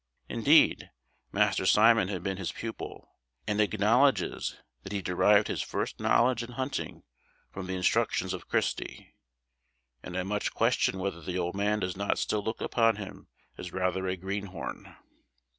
Indeed, Master Simon had been his pupil, and acknowledges that he derived his first knowledge in hunting from the instructions of Christy; and I much question whether the old man does not still look upon him as rather a greenhorn.